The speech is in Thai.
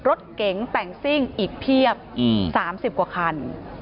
รถเก๋งแต่งซิ่งอีกเพียบ๓๐กว่าคัน